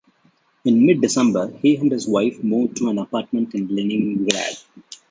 In mid-December he and his wife moved to an apartment in Leningrad.